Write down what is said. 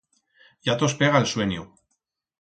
Ya tos pega el suenio.